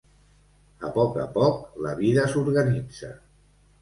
A poc a poc, la vida s'organitza.